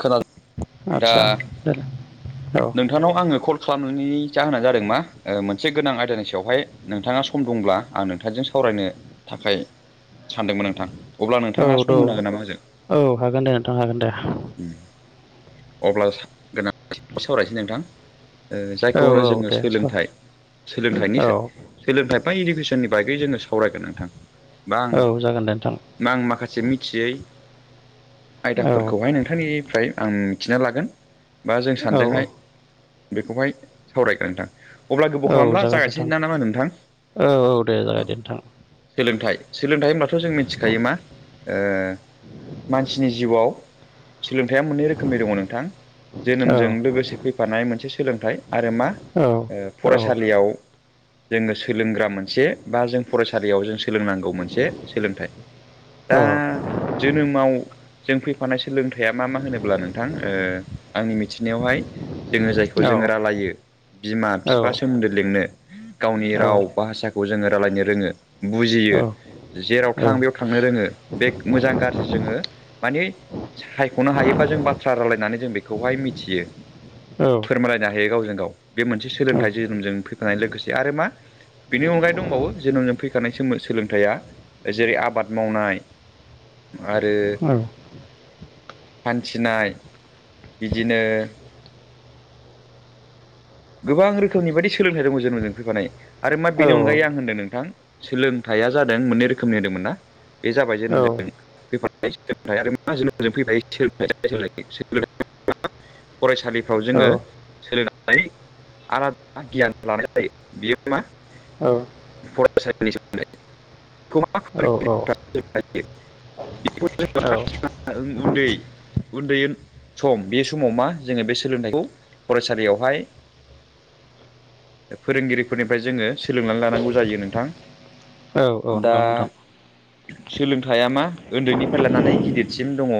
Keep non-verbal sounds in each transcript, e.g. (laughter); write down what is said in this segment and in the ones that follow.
खोनादों। दा आदसा दे औ नों नोंथांनाव आङो कल खालामनायनि जाहोना जादों मा मोनसे गोनां आयदानि सायावहाय नोंथाङा स सम दंब्ला आं नोंथांजों सावरायनो थाखाय सानदोंमोन नोंथां। अब्ला औ नोंथाङा सम होनो दं हागोन नामा आंजों औ हागोन दे नोंथां हागोन दे। अब्ला गोनां सावरायनोसै नोंथां। औ जायखौ होनो औ जोङो दे स सोलोंथाइ। सोलोंथाइनि औ सोलोंथाइ बा इडुकेसननि बागै जोङो सावरायगोन नोंथां। बा आं औ जागोन दे नोंथां। आं माखासे मिथियै औ आयदाफोर नोंथांनिफ्राय आं मिथिना लागोन बा जों औ सानजोंहाय बेखौहाय सावरायगोन नोंथां। अब्ला गोबाव औ खालामला जागोन दे जागायसै नोंथां ना नामा नोंथां औ दे औ। जागोन दे नोंथां सोलोंथाइ सोलोंथाइ होनब्लाथ जों मिथिखायो मा ओ मानसिनि जिउआव सोलोंथाइया मोननै रोखोमनि दङ नोंथां औ जोनोमजों लोगोसे फैफानाय मोनसे सोलोंथाइ आरो मा औ ओ औ फरायसालियाव जोङो सोलोंग्रा मोनसे बा जों फरायसालियाव जों सोलोंनांगौ मोनसे सोलोंथाइ। दा जोनोमाव जों फैफानाय सो सोलोंथाइया मा मा होनोब्ला नोंथां ओ आंनि मिथिनायावहाय जोङो जायखौ जोङो औ रायलायो बिमा औ बिफा औ सोमोन्दो लिंनो गावनि औ औ राव भासाखौ जोङो रालायनो रोङो बुजियो, जेराव नंगौ थां बेयाव थांनो रोङो बे मोजां गाज्रि जोङो माने सायखनो हायो बा जों बाथ्रा रायलायनानै जों बेखौहाय मिथियो। फोरमायलायनो हायो गावजों गाव बे मोनसे सोलोंथाइ नोंथां जोनोमजों फैफानाय लोगोसे आरो मा बिनि अनगायै दंबावो जोनोमजों फैखानाय सोमो-सोलोंथाइया जेरै- आबाद मावनाय आरो हान्थिनाय, बिदिनो गोबां रोखोमनि बायदि सोलोंथाइ दङ जोनोमजों फैफानाय आरो मा बेनि अनगायै आं औ होन्दों नोंथां सोलोंथाइया जादों मोननै रोखोमनि होन्दोंमोन ना बे जाबाय औ जोनोमजों फैफानाय (unintelligible) फरायसालिफ्राव जोङो सोलो आलादा गियान लानाय जायो। बियो मा औ। (unintelligible) औ। ओ। उन्दै उन्दै सम बे समाव मा जोङो बे सोलोंथाइखौ फरायसालियावहाय फोरोंगिरिफोरनिफ्राय जोङो सोलोंनानै लानांगौ जायो नोंथां। दा सोलोंथाइया मा ओन्दैनिफ्राय लानानै गिदिरसिम दङ।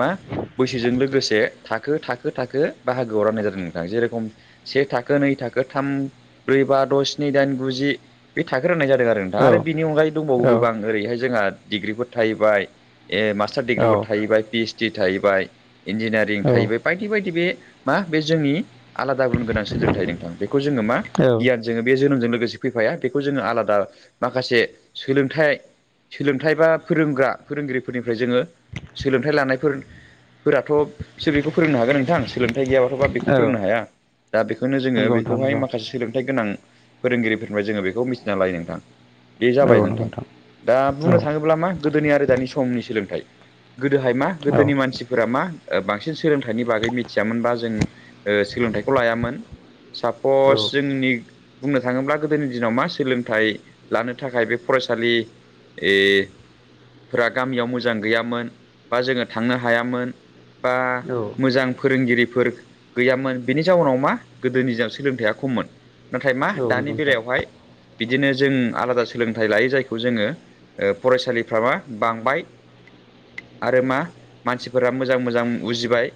मा बैसोजों लोगोसे थाखो थाखो थाखो बाहागोआव राननाय जादोंमोन। जेरेखम से थाखो, नै थाखो, थाम, ब्रै, बा, द, स्नि, दाइन, गु, जि, बे थाखो राननाय जादों आरो नोंथां आरो बिनि अनगायै दंबावो गोबां ओरैहाय जोंहा डिग्रिफोर थाहैबाय ए मास्टार डिग्रिबो थाहैबाय पि ओइस डि थाहैबाय इन्जिनियारिं थाहैबाय बायदि बायदि बे मा बे जोंनि आलादा गुन गोनां सोलोंथाइ नोंथां बेखौ जोङो मा औ औ गियान जोङो बे जोनोमजों लोगोसे फैफाया बेखौ जोङो आलादा माखासे सोलोंथाइ सोलोंथाइ बा फोरोंग्रा फोरोंगिरिफोरनिफ्राय जोङो सोलोंथाइ लानायफोर फोराथ सो बेखौ फोरोंनो हागोन नोंथां सोलोंथाइ गैयाबाथ बा बेखौ औ फोरोंनो हाया दा बेखौनो जोङो नंगौ नोंथां बेखौहाय नंगौ औ माखासे सोलोंथाइ गोनां फोरोंगिरिफोरफ्राय जोङो बेखौ मिथिना लायो नोंथां बे जाबाय नोंथां दा औ बुंनो थाङोब्ला मा गोदोनि आरो दानि समनि सोलोंथाइ गोदोहाय मा औ गोदोनि मानसिफोरा मा ओ बांसिन सोलोंथाइनि बागै मिथियामोनबा जों ओ सोलोंथाइखौ लायामोन औ सापस जोंनि बुंनो थाङोब्ला गोदोनि दिनाव मा सोलोंथाइ लानो थाखाय बे फरायसालि ओइ फोरा गामियाव मोजां गैयामोन बा जोङो थांनो हायामोन। बा औ मोजां फोरोंगिरिफोर गैयामोन बेनि जाउनाव मा गोदोनि दिनाव सोलोंथाइया खममोन नाथाय मा नंगौ दानि नोंथां। बेलायावहाय बिदिनो जों आलादा सोलोंथाइ लायो जायखौ जोङो फरायसालिफ्रामा बांबाय आरो मा मानसिफोरा मोजां मोजां उजिबाय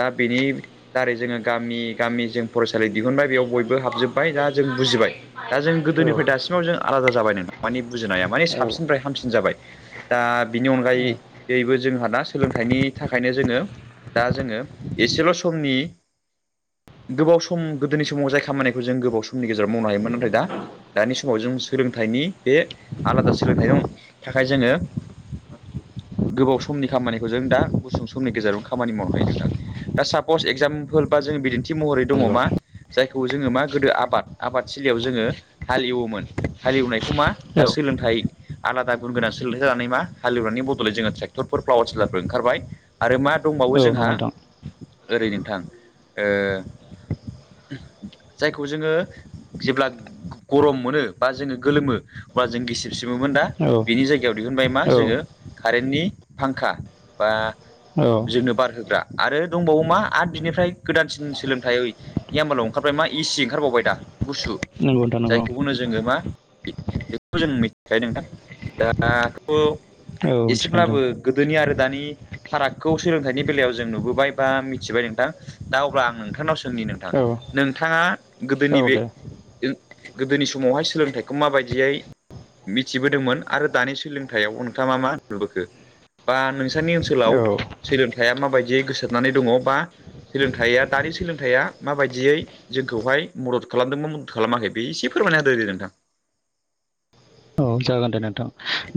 दा बेनि दारै जोङो गामि गामि जों फरायसालि दिहुनबाय बेयाव बयबो हाबजोबबाय दा जों बुजिबाय। दा जों औ औ नंगौ औ गोदोनिफ्राय दासिमाव जों आलादा जाबाय नों माने बुजिनाया माने साबसिनिफ्राय हामसिन जाबाय। दा बिनि अनगायैबो जोंहा दा सोलोंथाइनि थाखायनो जोङो दा जोङो एसेल' समनि गोबाव सम गोदोनि समाव जाय खामानिखौ जों गोबाव समनि गेजेराव मावनो हायोमोन नाथाय दा दानि समाव जों सोलोंथाइनि बे आलादा सोलोंथाइ दं। थाखाय जोङो गोबाव समनि खामानिखौ जों दा गुसुं समनि गेजेराव खामानि मावनो हायो नोंथां। दा सा कर्स एक्जामपोल बा जों बिदिन्थि महरै दङ मा? जायखौ जोङो मा गोदो आबाद आबाद थलियाव जोङो हालेवोमोन हालेवनायखौ मा दा सोलोंथाइ आलादा गुन गोनां सोलोंथाइ जानानै मा? हालेवनायनि बदलै जोङो ट्रेख्तरफोर पावार टिलारफोर ओंखारबाय। आरो मा दंबावो नंगौ जोंहा? नोंथां ओरै नोंथां ओ जायखौ जोङो जेब्ला गरम मोनो बा जोङो गोलोमो अब्ला जों गिसिब सिबोमोन दा औ बिनि जायगायाव दिहुनबाय मा जोङो कारेन्टनि फांखा बा औ जोंनो बार होग्रा आरो दंबावो मा आरो बिनिफ्राय गोदानसिन सोलोंथाइ नियमालाव ओंखारबाय मा इसि ओंखारबावबाय दा। गुसु नंगौ नोंथां नंगौ जायखौ नो जोङो मा बेखौ जों मिथिखायो नां दाथ' औ मिथिगोन एसेब्लाबो नोंथां गोदोनि आरो दानि फारागखौ सोलोंथाइनि बेलायाव जों नुबोबाय बा मिथिबाय नोंथां दा अब्ला आं नोंथांनाव सोंनि नोंथां औ नोंथाङा गोदोनि औ बे दे गोदोनि समावहाय सोलोंथाइखौ माबायदियै मिथिबोदोंमोन आरो दानि सोलोंथाइआव नोंथाङा मा नुबोखो? बा नोंसोरनि ओनसोलाव औ सोलोंथाइया माबायदियै गोसारनानै दङ बा सोलोंथाइया दानि सोलोंथाइया माबायदियै जोंखौहाय मदद खालामदोंमोन बा मदद खालामाखै बे एसे फोरमायना होदोे नोंथां। औ जागोन दे नोंथां।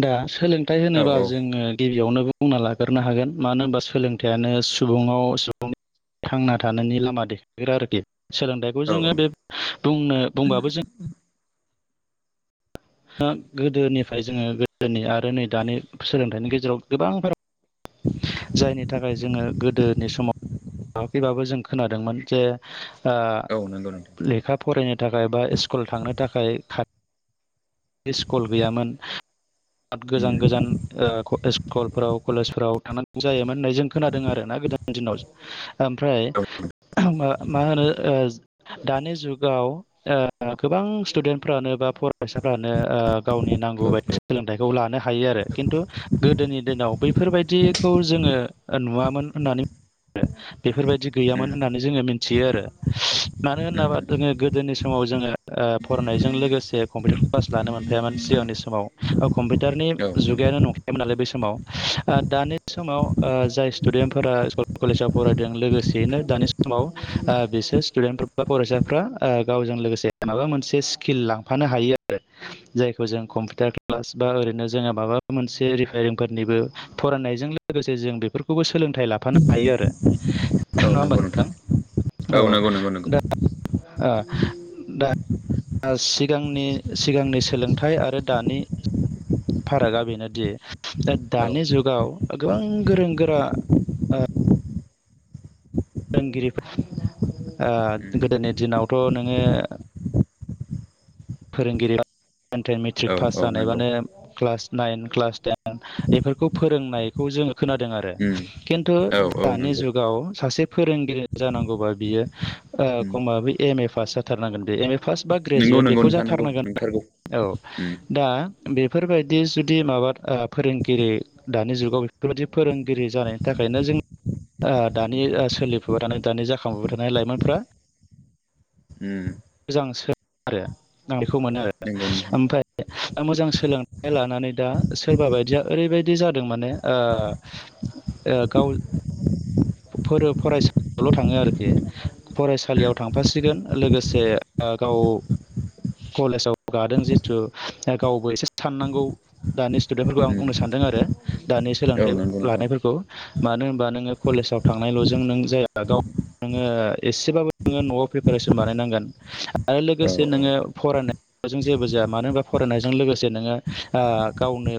दा सोलोंथाइ औ होनोबा जोङो गिबियावनो बुंना लाग्रो हागोन मानो होनबा सोलोंथायाइयानो सुबुंआव सुबुंनि थांना थानायनि लामा देखायग्रा आरोखि सोलोंथाइखौ औ जोङो बे बुंनो बुंबाबो जों दा गोदोनिफ्राय जोङो गोदोनि आरो नै दानि सोलोंथाइनि गेजेराव गोबांफोर जायनि थाखाय जोङो गोदो नि समाव (inaudible) खैबाबो जों खोनादोंमोन जे औ नंगौ नोंथां। लेखा फरायनो थाखाय बा स्कुल थांनो थाखाय स्कुल गैयामोन बिराद औ गोजान गोजान स्कुलफोराव कलेजफोराव थांनानै जायोमोन होननाय जों खोनादों आर ना गोदोनि दिनाव। ओमफ्राय औ मा होनो दानि जुगाव गोबां स्टुडेन्टफ्रानो बा फरायसाफ्रानो गावनि नांगौ औ उम बाय सोलोंथाइखौ लानो हायो आरो खिन्थु गोदोनि दिनाव बैफोरबायदि जोङो नुवामोन होननानै आरो बेफोरबायदि गैयामोन होननानै जोंओ मोन्थियो आरो मानो होनाबा उम जोङो गोदोनि समाव जोङो फरायनायजों लोगोसे कम्पिउटार क्लास लानो मोनफायामोन सिगांनि समाव कम्पिउटारनि जुगायानो नंखायोमोन नालाय बै समाव दानि बे समाव जाय स्टुडेन्टफोरा स्कुल कलेजाव फरायदों लोगोसेयैनो दानि समाव समाव बिसोर स्टुडेन्ट बा फरायसाफ्रा गावजों लोगोसे माबा मोनसे किल लाफानो हायो आरो। जायखौ जों कम्पिउटार क्लास बा ओरैनो जोङो माबा मोनसे रिपेरिंफोरनिबो फरायनाय जा जों लोगोसे जों बेफोरखौबो सोलों थाय लाफानो‌ हायो आरो औ नंगौ औ नंङा होनबा नंगौ नोंथां औ नंगौ नंगौ नंगौ ओ दा सिगांनि सिगांनि सोलोंथाइ आरो दानि फारागा बेनोदि औ दानि जुगाव गोबां गोरों गोरा फोरोंगिरि उम गोदोनि दिनावथ' नोङो फोरोंगिरिेन टेन मेट्रिक औ पास औ नंगौ जानायबानो क्लास (unintelligible) नाइन क्लास टेन बेफोरखौ फोरोंनायखौ जोङो खोनादों आरो उम खिन्थु औ औ दानि नंगौ जुगाव सासे फोरोंगिरि जानांगौबा बियो उम खमाबो ओ एम ए पास जाथारनांगोन बे एम ए पास बा नंगौ ग्रेजुवेट नंगौ बेखौ नोंथां जाथार नंगौ थारनांगोन नंथारगौ औ उम (unintelligible) दा बेफोरबायदि जुदि माबा ओ‌ फोरोंगिरि दानि जुगाव बेफोरबायदि फोरोंगिरि जानायनि थाखायनो जों ओ दानि सोलिफाय थानाय दानि जाखांफबाय थानाय लाइमोनफ्रा ओम मोजां स आरो आं बेखौ मोनो आरो नंगौ नोंथां ओमफ्राय मोजां सोलोंनो (unintelligible) लानानै दा सोरबा बायदिया ओरैबायदि जादों माने गाव फरायसा (unintelligible) बेल' थाङो आरोखि उम फरायसालियाव थांफासिगोन लोगोसे ओ गाव कलेजाव गादों जितु गावबो एसे साननांगौ दानि स्टुडेन्टफोरखौ आं उम बुंनो सानदों आरो दानि औ सोलोंथाइ नंगौ नोंथां लानायफोरखौ मानो होनबा नोङो कलेजाव थांनायल'जों नों जाय गाव नोङो एसेबाबो नोङो न'आव प्रिपेरेसन बानायनांगोन आरो औ लोगोसे जे औ नोङो फरायनायजों जेबो जाया मानो होनबा फरायनायजों लोगोसे नोङो ओ‌ गावनो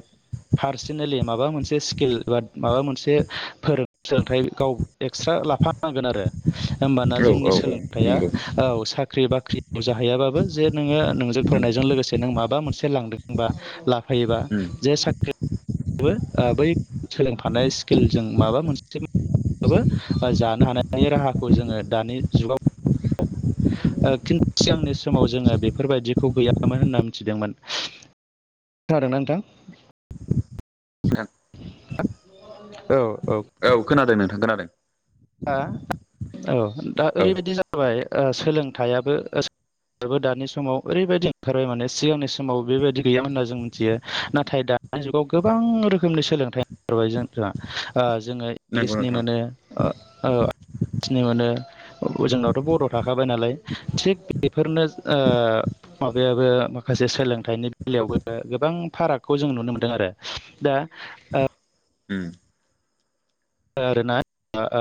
पार्सनेलि माबा मोनसे स्किल बा माबा मोनसोलोंथाइ गाव एक्सट्रा लाफा नांगोन आरो (inaudible) होमबाना जोंनि औ औ औ सोलोंथाइया नंगौ औ साख्रि बाख्रि जाहैयाबाबो जे नोङो नोंजों उम फरायनायजों उम लोगोसे नो माबा मोनसे लांदोंबा लाफायोबा जे साख्रिबो बै सोलोंफानाय स्किलजों माबा मोनसे जानो हानायनि राहाखौ जोङो दानि जुगाव खिन् (unintelligible) सिगांनि समाव जोङो बेफोरबायदिखौ गैयामोन होनना मिथिदोंमोन थार आरोना नोंथां नोंथां औ औ औ खोनादों नोंथां खोनादों। औ दा औ ओरैबायदि जाबाय सोलोंथाइयाबो ओ बेबो दानि समाव ओरैबायदि ओंखारबाय माने सिगांनि समाव बेबायादि गैयामोन होनना जों मिथियो। नाथाय दा दानि जुगाव गोबां रोखोमनि सोलोंथाइबाय जोंहा। ओ जोङो नंगौ इंलिसनि नोंथां मोनो ओ ओ इंलिसनि मोनो, ओ जोंनावथ' बर' थाखाबाय नालाय। थिग बेफोरनो ओ माबायाबो माखासे सोलोंथाइनि बेलायावबो गोबां फारागखौ जों नुनो मोनदों आरो। दा ओ उम। आरोना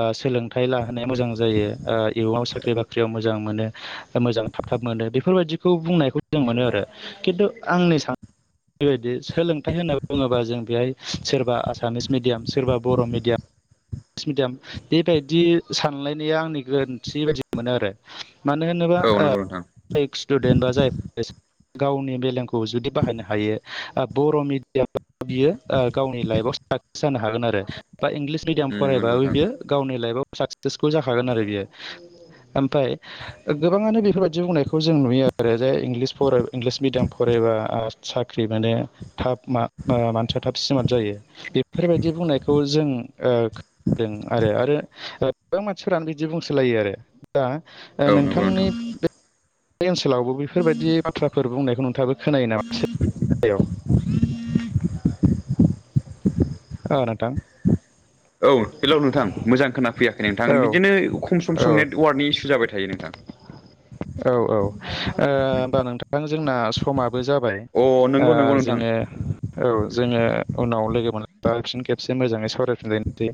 ओ सोलोंथाइ लाहोनाया मोजां जायो, ओ इयुनाव साख्रि बाख्रियाव मोजां मोनो। ओ मोजां थाब थाब मोनो। बेफोरबायदिखौ बुंनायखौ मोजां मोनो आरो खिन्थु आंनि सान नाय बायदि, सोलोंथाइ होनना बुङोबा जों बेहाय सोरबा आसामिस मिडियाम, सोरबा बर' मिडियाम इंलिस मिडियाम बेबायदि सानलायनाया आंनि गोरोन्थि बायदि मोनो आरो। मानो होनोबा औ ओ नंगौ नोंथां जाय स्टुडेन्ट बा जाय फरायसा गावनि मेलेमखौ जुदि बाहायनो हायो, बर' मिडियाम बाबो बियो ओ गावनि लाइफआव साक्सेस जानो हागोन आरो, बा इंलिस मिडियाम उम नंगौ फरायबाबो नोंथां बियो गावनि लाइफआव साक्सेसफुल जाखागोन आरो बियो। ओमफ्राय ओ गोबाङानो बेफोरबायदि बुंनायखौ जों नुयो आरो जे इंलिस इंलिस मिडियाम फरायबा साख्रि मोनो थाब मा ओ मानसिया थाब स्मार्ट जायो, बेफोरबायदि बुंनायखौ जों दों आरो आरो गोबां मानसिफोरानो बिदि बुंसोलायो आरो। दा ओ औ नंगौ नोंथांनि नोंथां बे बे ओनसोलावबो बेफोरबायदि बाथ्राफोर बुंनायखौ नोंथाङाबो खोनायो नामा (unintelligible) ओ नोंथां। औ हेलौ नोंथां, मोजां खोना फैयाखै नोंथां औ बिदिनो खम सम औ सम नेटवार्कनि इसु जाबाय थायो नोंथां। औ औ, ओ होमबा नोंथां जोंना समाबो जाबाय। अ ओ नंगौ नंगौ नोंथां जोङो औ जोङो उनाव लोगो (unintelligible) फिन खेबसे मोजाङै सावरायफिनलाय नोसै।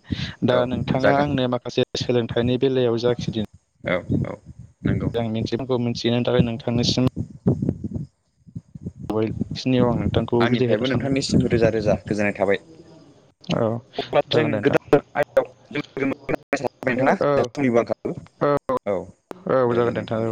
दा औ नोंथाङा जागोन आंनो माखासे सोलोंथाइनि बेलायाव जाखिनि औ औ। नंगौ आं मिथियिफोरखौ मिथिहोनो थाखाय नोंथांनिसिम (unintelligible) बिदाय होनो आंनिफ्रायबो सानो नोंथांनिसिमखौ रोजा रोजा गोजोननाय थाबाय। औ अब्ला जों जागोन दे नोंथां। गोदान आयदायाव जों लोगो मोनगोन होनना सानो औ नोंथाङा औ जोंहा समनिबो आंखाल औ औ जागोन दे नोंथां औ।